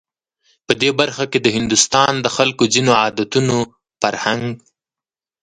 په دې برخه کې د هندوستان د خلکو ځینو عادتونو، فرهنک